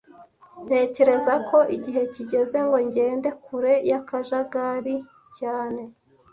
Ntekereza ko igihe kigeze ngo ngende kure y'akajagari cyane